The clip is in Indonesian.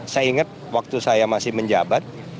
saya ingat waktu saya masih menjabat